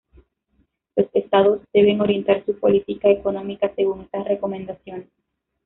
Los Estados deben orientar su política económica según estas recomendaciones.